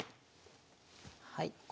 はい。